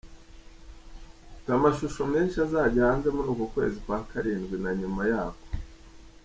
Mfite amashusho menshi azajya hanze muri uku kwezi kwa karindwi na nyuma yako.